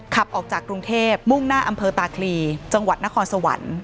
ขับออกจากกรุงเทพมุ่งหน้าอำเภอตาคลีจังหวัดนครสวรรค์